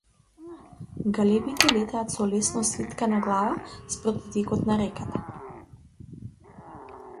Галебите летаат со лесно свиткана глава спроти текот на реката.